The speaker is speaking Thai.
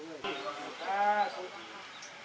ให้ดังทั่วโลกเลยเด้อปู